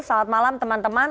selamat malam teman teman